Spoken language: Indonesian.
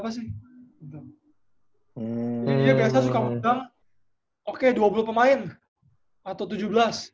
biasanya suka undang oke dua puluh pemain atau tujuh belas